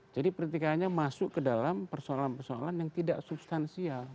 pertikaiannya masuk ke dalam persoalan persoalan yang tidak substansial